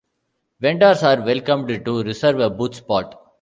Vendors are welcomed to reserve a booth spot.